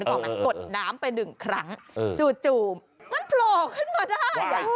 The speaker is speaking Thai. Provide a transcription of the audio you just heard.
ก็มันกดน้ำไป๑ครั้งจูบมันโผล่ขึ้นมาได้